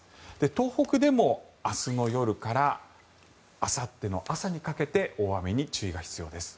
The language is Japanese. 東北でも明日の夜からあさっての朝にかけて大雨に注意が必要です。